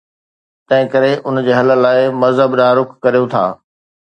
تنهنڪري ان جي حل لاءِ مذهب ڏانهن رخ ڪريون ٿا.